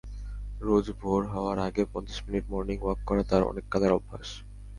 রোজ ভোর হওয়ার আগে পঞ্চাশ মিনিট মর্নিং ওয়াক করা তার অনেককালের অভ্যাস।